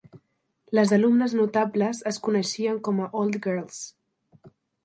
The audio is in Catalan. Les alumnes notables es coneixen com a Old Girls.